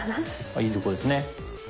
あっいいとこですね。